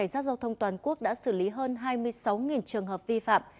giao thông toàn quốc đã xử lý hơn hai mươi sáu trường hợp vi phạm